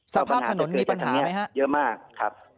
สภาพถนนมีปัญหาไหมครับเยอะมากครับ